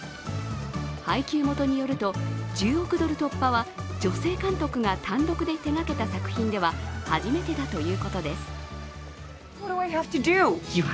配給元によると、１０億ドル突破は女性監督が単独で手がけた作品では初めてだということです。